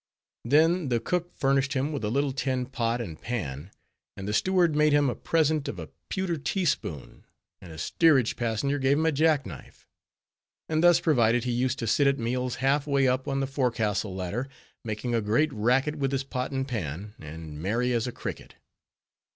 Then the cook furnished him with a little tin pot and pan; and the steward made him a present of a pewter tea spoon; and a steerage passenger gave him a jack knife. And thus provided, he used to sit at meal times half way up on the forecastle ladder, making a great racket with his pot and pan, and merry as a cricket.